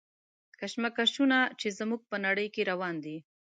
کشمکشونه چې زموږ په نړۍ کې روان دي.